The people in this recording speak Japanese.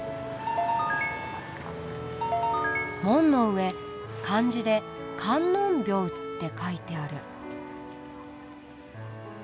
門の上漢字で觀音廟って書いてある。